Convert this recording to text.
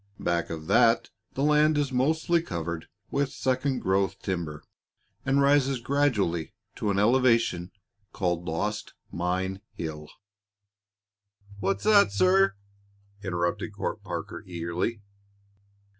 Back of that, the land is mostly covered with second growth timber, and rises gradually to an elevation called Lost Mine Hill " "What's that, sir?" interrupted Court Parker, eagerly.